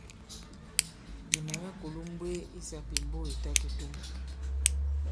Nì mɛ̀ mɛ̀ kulū m̀mbwee i sāpìmbo ì ta kitum.